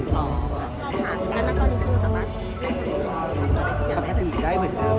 แล้วก็นิดหนึ่งสำหรับนักหน้าตีได้เหมือนเดิม